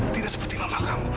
tidak seperti mama kamu